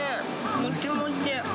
もちもち。